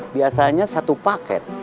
biasanya satu paket